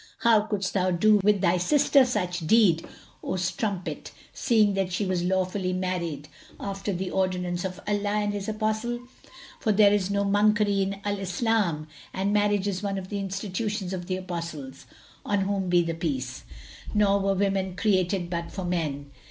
How couldst thou do with thy sister such deed, O strumpet, seeing that she was lawfully married, after the ordinance of Allah and of His Apostle? For there is no monkery in Al Islam and marriage is one of the institutions of the Apostles (on whom be the Peace!)[FN#177] nor were women created but for men."